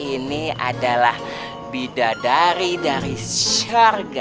ini adalah bidadari dari sharga